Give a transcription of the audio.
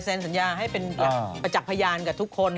เซ็นสัญญาให้เป็นจักรพยานกับทุกคน